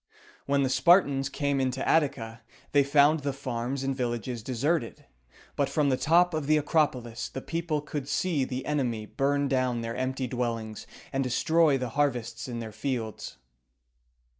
When the Spartans came into Attica, they found the farms and villages deserted; but from the top of the Acropolis the people could see the enemy burn down their empty dwellings and destroy the harvests in their fields.